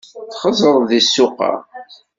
Txesreḍ deg ssuq-a.